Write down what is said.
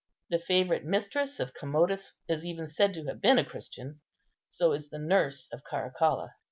The favourite mistress of Commodus is even said to have been a Christian; so is the nurse of Caracalla.